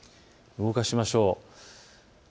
動かしましょう。